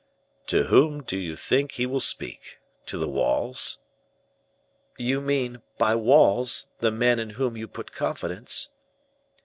"To whom do you think he will speak to the walls?" "You mean, by walls, the men in whom you put confidence."